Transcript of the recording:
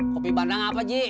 kopi bandang apa ji